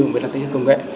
mới là thách thức công nghệ